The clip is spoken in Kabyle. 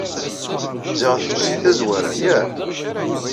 Ziɣ d kečč si tazwara, yak?